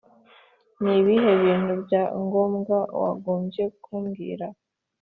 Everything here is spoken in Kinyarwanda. Ni ibihe bintu bya ngombwa wagombye kumbwira